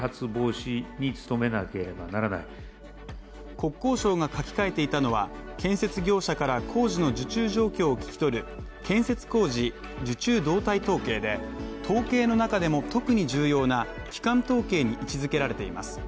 国交省が書き換えていたのは、建設業者から工事の受注状況を聞き取る建設工事受注動態統計で、統計の中でも特に重要な基幹統計に位置づけられています